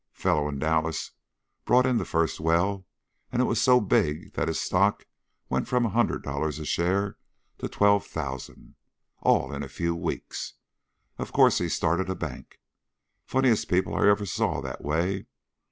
Fellow in Dallas brought in the first well, and it was so big that his stock went from a hundred dollars a share to twelve thousand. All in a few weeks. Of course, he started a bank. Funniest people I ever saw, that way.